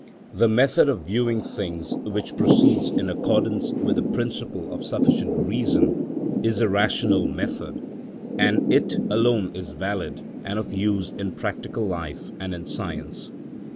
The method of viewing things which proceeds in accordance with the principle of sufficient reason is the rational method, and it alone is valid and of use in practical life and in science.